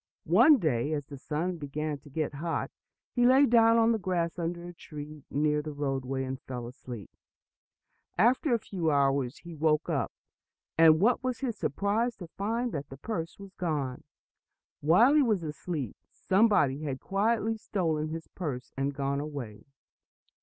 One day, as the sun began to get hot, he lay down on the grass under a tree near the roadway, and fell asleep. After a few hours he woke up, and what was his surprise to find that the purse was gone! While he was asleep, somebody had quietly stolen his purse and gone away.